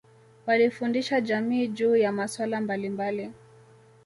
walifundisha jamii juu ya masuala mbalimbali